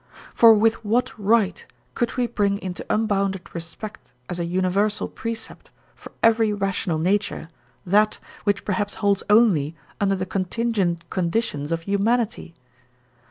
For with what right could we bring into unbounded respect as a universal precept for every rational nature that which perhaps holds only under the contingent conditions of humanity?